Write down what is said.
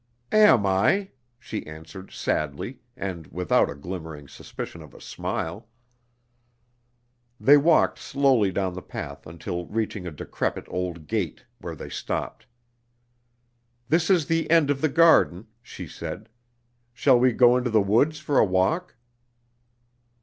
"Am I?" she answered sadly, and without a glimmering suspicion of a smile. They walked slowly down the path until reaching a decrepit old gate, where they stopped. "This is the end of the garden," she said. "Shall we go into the woods for a walk?"